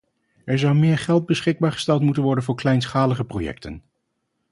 Er zou meer geld beschikbaar gesteld moeten worden voor kleinschalige projecten.